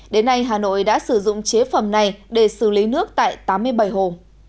đến nay hà nội đã sử dụng chế phẩm này để xử lý nước tại tám mươi bảy hồ